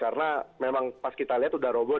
karena memang pas kita lihat sudah roboh